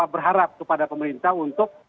berharap kepada pemerintah untuk